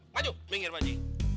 maju minggir pak haji